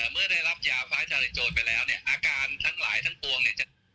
เมื่อได้รับยาฟ้าสลายโจรไปแล้วอาการทั้งหลายทั้งปวง